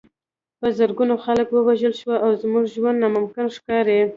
په زرګونو خلک ووژل شول او زموږ ژوند ناممکن ښکاري